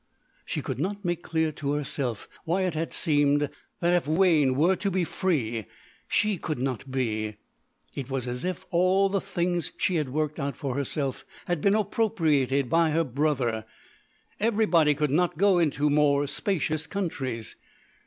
She could not make clear to herself why it had seemed that if Wayne were to be "free," she could not be; it was as if all the things she had worked out for herself had been appropriated by her brother. Everybody could not go into more spacious countries!